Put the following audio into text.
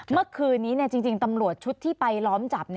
เมื่อคืนนี้จริงตำรวจชุดที่ไปล้อมจับ